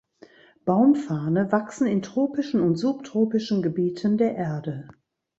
Baumfarne wachsen in tropischen und subtropischen Gebieten der Erde.